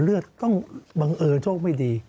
เลือดต้องบังเอิญโชคไม่ดี